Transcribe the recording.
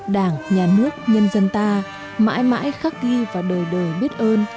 đảng nhà nước nhân dân ta mãi mãi khắc ghi vào đời đời biết ơn